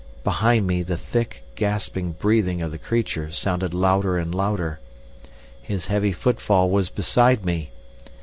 Behind me the thick, gasping breathing of the creature sounded louder and louder. His heavy footfall was beside me.